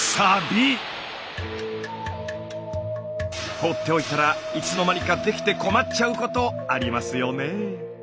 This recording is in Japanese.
放っておいたらいつの間にかできて困っちゃうことありますよね。